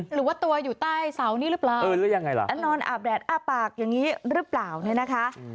หรือว่าตัวอยู่ใต้เสานี้รึเปล่าแนนอนอาบแดดอ้าปากอย่างนี้รึเปล่าใช่นะคะ